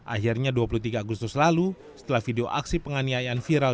akhirnya dua puluh tiga agustus lalu setelah video aksi penganiayaan viral